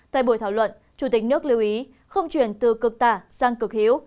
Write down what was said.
tại buổi thảo luận chủ tịch nước lưu ý không chuyển từ cực tả sang cực hiếu